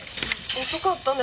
遅かったね。